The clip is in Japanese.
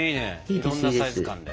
いろんなサイズ感で。